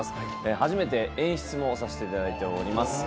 初めて演出もさせていただいております。